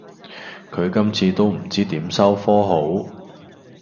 佢今次都唔知點收科好